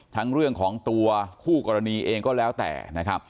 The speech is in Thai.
เรื่องของตัวคู่กรณีเองก็แล้วแต่นะครับ